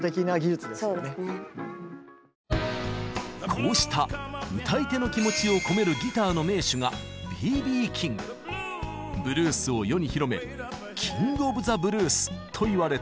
こうした歌い手の気持ちを込めるギターの名手がブルースを世に広めキング・オブ・ザ・ブルースといわれています。